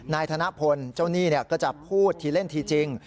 นายธนพลเจ้าหนี้ก็จะพูดทีเล่นทีจริง